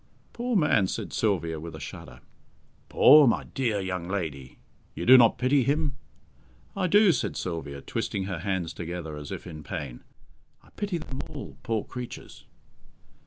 "Poor man!" said Sylvia, with a shudder. "Poor! My dear young lady, you do not pity him?" "I do," said Sylvia, twisting her hands together as if in pain. "I pity them all, poor creatures."